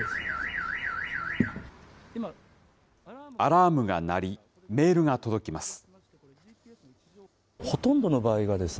アラームが鳴り、メールが届きます。